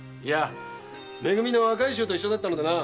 め組の若い衆と一緒だったのでな。